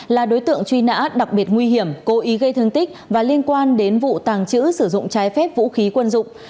là đối tượng truy nã đặc biệt nguy hiểm cố ý gây thương tích và liên quan đến vụ tàng trữ sử dụng trái phép vũ khí quân dụng